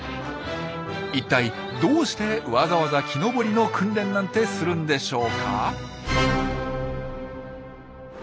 いったいどうしてわざわざ木登りの訓練なんてするんでしょうか？